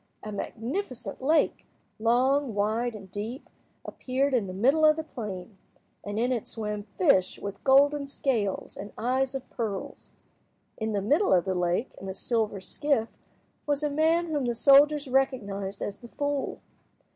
A magnificent lake—long, wide, and deep—appeared in the middle of the plain, and in it swam fish with golden scales and eyes of pearls. In the middle of the lake, in a silver skiff, was a man whom the soldiers recognised as the fool.